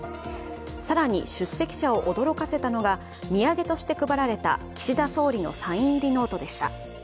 更に出席者を驚かせたのが、土産として配られた岸田総理のサイン入りノートでした。